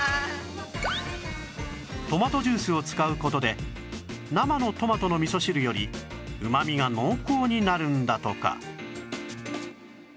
トマトジュースを使う事で生のトマトの味噌汁よりうまみが濃厚になるんだとか